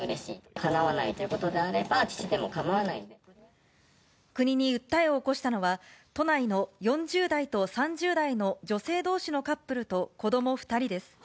かなわないということであれば、国に訴えを起こしたのは、都内の４０代と３０代の女性どうしのカップルと子ども２人です。